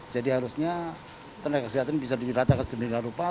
jadi harusnya tenaga kesehatan bisa dilatakan sejumlah rupa